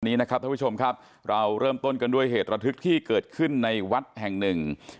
นี้นะครับท่านผู้ชมครับเราเริ่มต้นกันด้วยเหตุระทึกที่เกิดขึ้นในวัดแห่งหนึ่ง